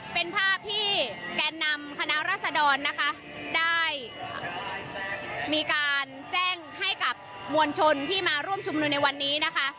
เป็นภาพที่แกนนำคณะรัศดรนะคะได้มีการแจ้งให้กับมวลชนที่มาร่วมชุมนุมในวันนี้นะคะ